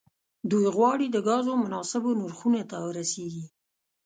دوی غواړي د ګازو مناسبو نرخونو ته ورسیږي